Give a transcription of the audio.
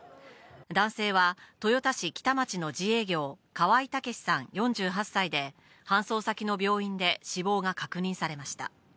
男性は豊田市喜多町の自営業、河合武さん４８歳で、搬送先の病院で死亡が確認されました。